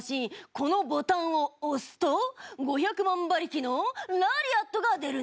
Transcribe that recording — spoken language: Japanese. このボタンを押すと５００万馬力のラリアットが出るんじゃ。